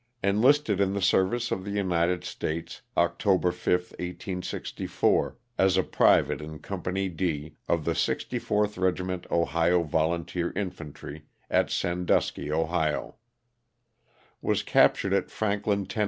Enlisted in the service of the United States October 5, 1864, as a private in Company D, of the 64th Regiment Ohio Volunteer Infantry, at Sandusky, Ohio. Was captured at Franklin, Tenn.